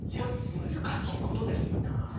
これ難しいことですよ。